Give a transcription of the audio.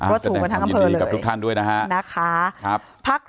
รวดถูกกันทั้งคำเพลินเลยนะคะพักทุกคนด้วยนะครับ